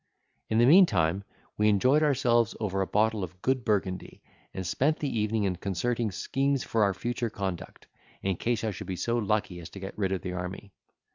In the meantime, we enjoyed ourselves over a bottle of good Burgundy, and spent the evening in concerting schemes for our future conduct, in case I should be so lucky as to get rid of the army.